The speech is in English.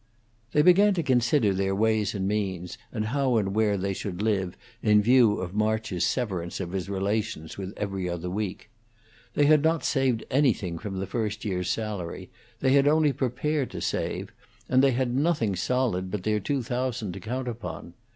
They began to consider their ways and means, and how and where they should live, in view of March's severance of his relations with 'Every Other Week.' They had not saved anything from the first year's salary; they had only prepared to save; and they had nothing solid but their two thousand to count upon.